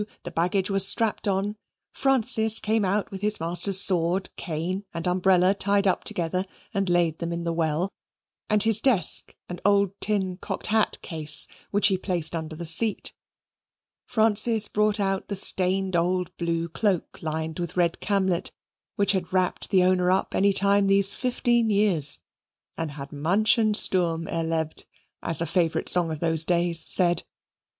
The baggage was strapped on. Francis came out with his master's sword, cane, and umbrella tied up together, and laid them in the well, and his desk and old tin cocked hat case, which he placed under the seat. Francis brought out the stained old blue cloak lined with red camlet, which had wrapped the owner up any time these fifteen years, and had manchen Sturm erlebt, as a favourite song of those days said.